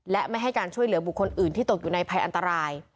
และไม่ให้การช่วยเหลือบุคคลอื่นที่ตกอยู่ในภัยอันตราย